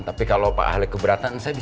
tapi kalau pak alec keberatan saya